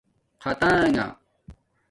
خَطانݣہ